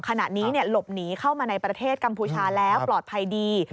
ขณะนี้หลบหนีเข้ามาในประเทศกัมพูชาแล้วปลอดภัยดี